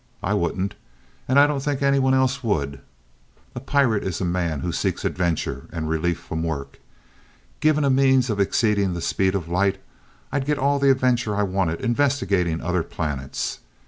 I wouldn't, and I don't think any one else would. A pirate is a man who seeks adventure and relief from work. Given a means of exceeding the speed of light, I'd get all the adventure I wanted investigating other planets.